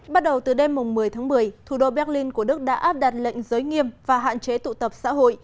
bắt đầu từ đêm một mươi tháng một mươi thủ đô berlin của đức đã áp đặt lệnh giới nghiêm và hạn chế tụ tập xã hội